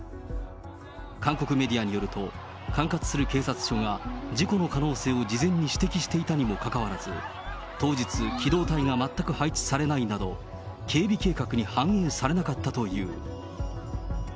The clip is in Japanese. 韓国メディアによると、管轄する警察署が、事故の可能性を事前に指摘していたにもかかわらず、当日、機動隊が全く配置されないなど、警備計画に反映されなかったという。